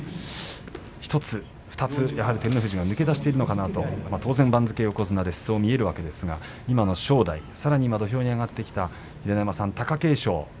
１つ２つやはり照ノ富士が抜け出しているのかなと当然、番付は横綱ですしそう見えるわけですが、正代土俵に上がってきた貴景勝